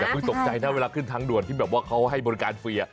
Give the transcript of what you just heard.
คือตกใจนะเวลาขึ้นทางด่วนที่เขาให้บริการฟรี